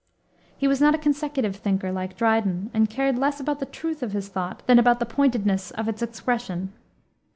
He was not a consecutive thinker, like Dryden, and cared less about the truth of his thought than about the pointedness of its expression.